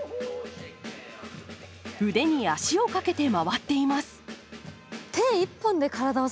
腕に足をかけて回っています。